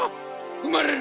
うまれる。